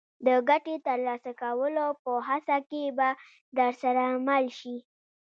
د ګټې ترلاسه کولو په هڅه کې به درسره مل شي.